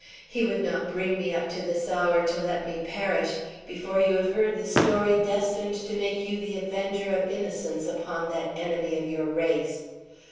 He would not bring me up to this hour to let me perish before you have heard the story destined to make you the avenger of innocence upon that enemy of your race.